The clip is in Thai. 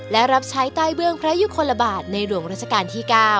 และรับใช้ใต้เบื้องพระยุคลบาทในหลวงราชการที่๙